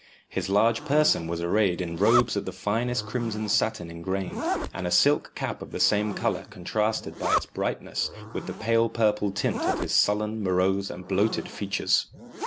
His large person was arrayed in robes of the finest crimson satin engrained, and a silk cap of the same colour contrasted by its brightness with the pale purple tint of his sullen, morose, and bloated features.